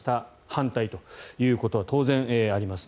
反対ということは当然あります。